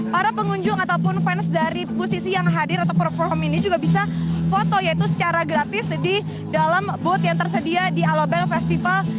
para pengunjung ataupun fans dari musisi yang hadir atau perform ini juga bisa foto yaitu secara gratis di dalam boat yang tersedia di alobank festival